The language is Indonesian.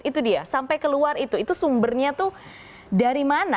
itu dia sampai keluar itu itu sumbernya tuh dari mana